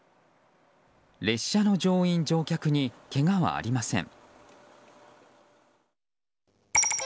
列車の乗員・乗客にけがはありません。